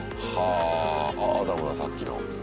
あっアダムださっきの。